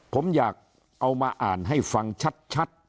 ผมอยากเอามาอ่านให้ฟังชัด